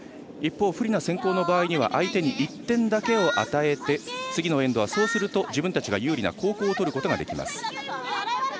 一方、不利な先攻の場合相手に１点だけを与えて次のエンドはそうすると自分たちが有利な後攻を取ることができます。